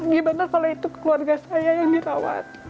gimana kalau itu keluarga saya yang dirawat